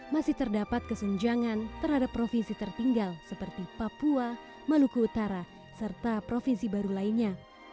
masih terdapat kesenjangan terhadap provinsi tertinggal seperti papua maluku utara serta provinsi baru lainnya